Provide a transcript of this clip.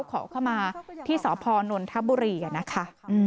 ขอเข้ามาที่สพนนทบุรีนะคะ